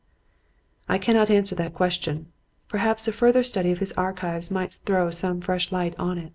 I cannot answer the question. Perhaps a further study of his Archives may throw some fresh light on it.